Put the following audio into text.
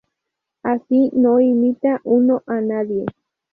Así no imita uno a nadie.